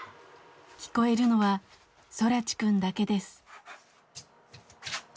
聞こえるのは空知くんだけです。